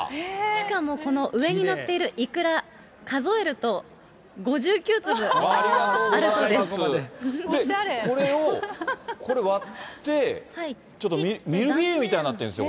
しかもこの上にのっているイクラ、数えると、５９粒あるそうありがとうございます。